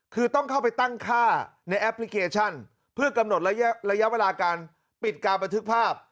คือต้องเข้าไปตั้งค่าในแอปพลิเคชันเพื่อกำหนดระยะเวลาการปิดการบันทึกภาพ